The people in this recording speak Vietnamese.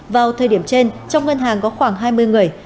vào thời điểm trên trong ngân hàng có khoảng hai mươi người